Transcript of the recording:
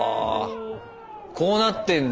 こうなってんだ。